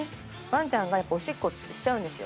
ワンちゃんがやっぱおしっこしちゃうんです。